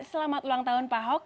selamat ulang tahun pak ahok